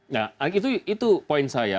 nah itu poin saya